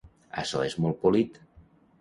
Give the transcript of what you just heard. Açò és molt polit.